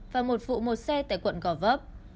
và một vụ một xe tại quận gò vấp